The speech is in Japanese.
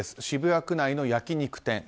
渋谷区内の焼き肉店。